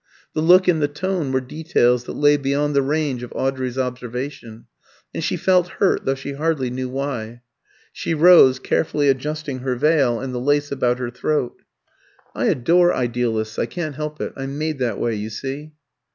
The look and the tone were details that lay beyond the range of Audrey's observation, and she felt hurt, though she hardly knew why. She rose, carefully adjusting her veil and the lace about her throat. "I adore idealists I can't help it; I'm made that way, you see."